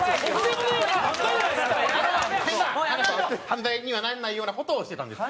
犯罪にはならないような事をしてたんです。